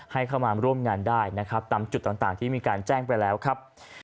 ให้เข้ามาร่วมงานได้นะครับตามจุดต่างที่มีการแจ้งไปแล้วครับ